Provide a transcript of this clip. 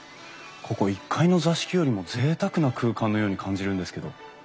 ここ１階の座敷よりもぜいたくな空間のように感じるんですけど。